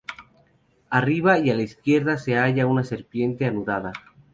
Arriba y a la izquierda se halla una serpiente anudada.